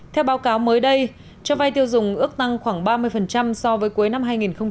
theo báo cáo mới đây cho vay tiêu dùng ước tăng khoảng ba mươi so với cuối năm hai nghìn một mươi chín